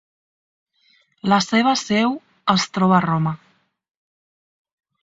La seua seu es troba a Roma.